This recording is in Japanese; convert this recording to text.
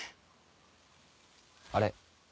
あれ？